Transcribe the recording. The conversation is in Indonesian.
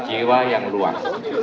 jiwa yang luas